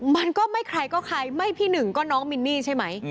มันก็ไม่ใครก็ใครไม่พี่หนึ่งก็น้องมินนี่ใช่ไหม